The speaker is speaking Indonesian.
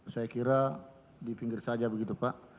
saya kira di pinggir saja begitu pak